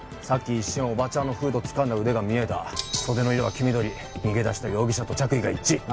さっき一瞬おばちゃんのフードつかんだ腕が見えた袖の色は黄緑逃げ出した容疑者と着衣が一致